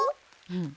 うん！